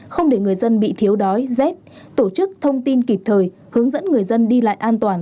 không để người dân bị thiếu đói rét tổ chức thông tin kịp thời hướng dẫn người dân đi lại an toàn